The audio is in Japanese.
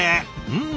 うん！